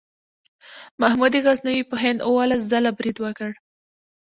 محمود غزنوي په هند اوولس ځله برید وکړ.